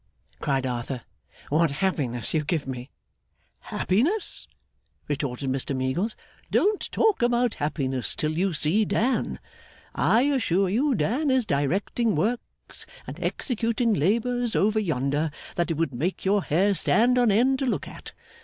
cried Arthur. 'What happiness you give me!' 'Happiness?' retorted Mr Meagles. 'Don't talk about happiness till you see Dan. I assure you Dan is directing works and executing labours over yonder, that it would make your hair stand on end to look at.